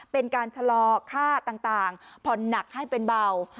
เป็นการชะลอค่าต่างผ่อนหนักให้เป็นเบา